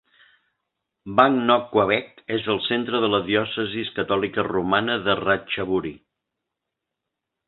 Bang Nok Khwaek és el centre de la diòcesis catòlica romana de Ratchaburi.